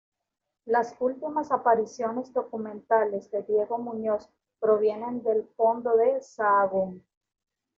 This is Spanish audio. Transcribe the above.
Las últimas apariciones documentales de Diego Muñoz provienen del fondo Sahagún.